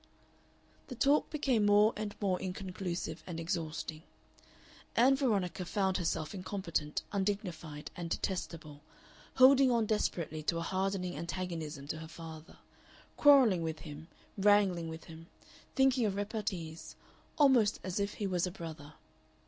The talk became more and more inconclusive and exhausting. Ann Veronica found herself incompetent, undignified, and detestable, holding on desperately to a hardening antagonism to her father, quarrelling with him, wrangling with him, thinking of repartees almost as if he was a brother.